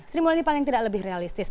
sri mulyani paling tidak lebih realistis